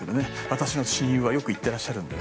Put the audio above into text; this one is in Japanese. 私の親友はよく行ってらっしゃるんで。